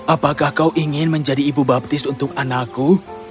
apakah kau ingin menjadi ibu baptis untuk anakku